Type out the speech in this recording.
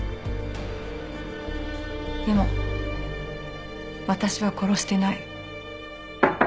でも私は殺してない。